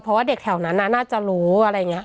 เพราะว่าเด็กแถวนั้นน่าจะรู้อะไรอย่างนี้